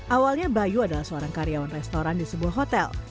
awalnya bayu adalah seorang karyawan restoran di sebuah hotel